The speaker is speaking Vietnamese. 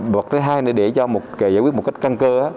hoặc thứ hai nữa để giải quyết một cách căng cơ